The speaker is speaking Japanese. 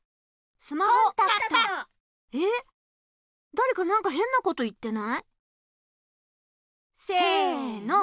だれかなんかへんなこと言ってない？せの！